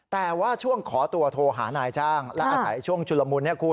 แต่ว่าช่วงขอตัวโทรหานายจ้างและอาศัยช่วงชุลมุน